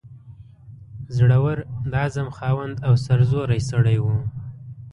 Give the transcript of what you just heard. زړه ور، د عزم خاوند او سرزوری سړی وو.